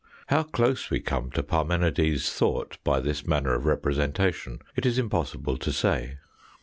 How close we come to Parmenides' thought by this manner of representation it is impossible to say.